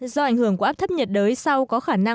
do ảnh hưởng của áp thấp nhiệt đới sau có khả năng